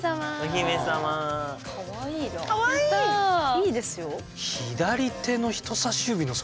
いいですよ。